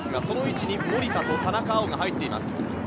その位置に守田と田中碧が入っています。